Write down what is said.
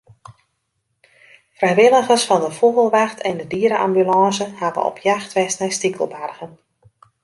Frijwilligers fan de Fûgelwacht en de diere-ambulânse hawwe op jacht west nei stikelbargen.